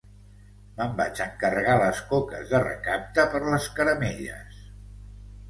Me'n vaig a encarregar les coques de recapte per les caramelles